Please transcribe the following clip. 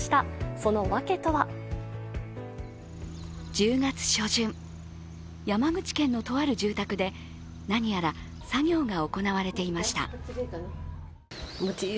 １０月初旬、山口県のとある住宅で何やら作業が行われていました。